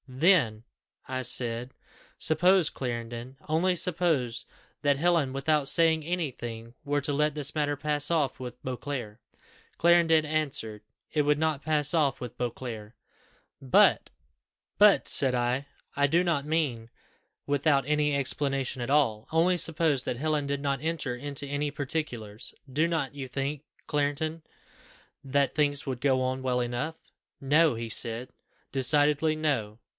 'Then,' I said, 'suppose, Clarendon only suppose that Helen, without saying any thing, were to let this matter pass off with Beauclerc?' Clarendon answered, 'It would not pass off with Beauclerc.' 'But,' said I, 'I do not mean without any explanation at all. Only suppose that Helen did not enter into any particulars, do not you think, Clarendon, that things would go on well enough?' 'No,' he said decidedly, 'no.